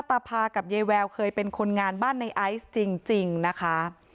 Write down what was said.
ตาพากับยายแววเคยเป็นคนงานบ้านในไอซ์จริงนะคะ